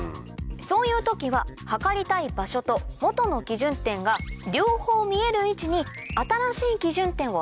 そういう時は測りたい場所と元の基準点が両方見える位置に新しい基準点を定め